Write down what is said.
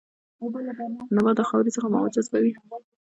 نبات د خاورې څخه مواد جذبوي